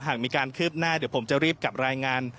หากมีการคืบหน้าเดี๋ยวผมจะรีบกลับรายงาน